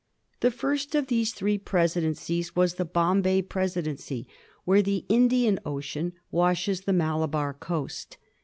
The first of these three presidencies was the Bombay presidency, where the Indian Ocean washes the Malabar coast.